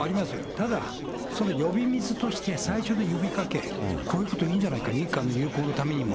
ただ、その呼び水として最初の呼びかけ、こういうこといいんじゃないか、日韓友好のためにも。